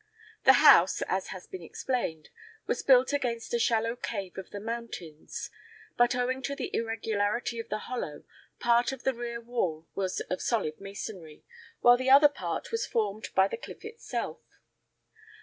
The house, as has been explained, was built against a shallow cave of the mountains; but, owing to the irregularity of the hollow, part of the rear wall was of solid masonry, while the other part was formed by the cliff itself.